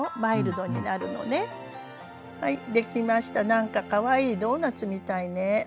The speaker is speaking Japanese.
なんかかわいいドーナツみたいね。